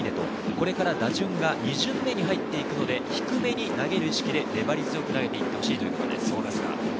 これから２巡目に入っていくので、低めに投げる意識で粘り強く投げていってほしいということです。